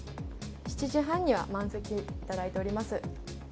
７時半には満席いただいております。